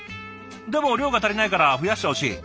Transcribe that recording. でも量が足りないから増やしてほしい」。